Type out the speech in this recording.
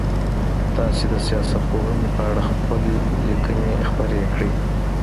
تاسي د سياست پوهني په اړه خپل ليکنې خپرې کړئ.